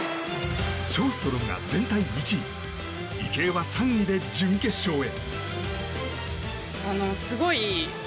ショーストロムが全体１位池江は３位で準決勝へ。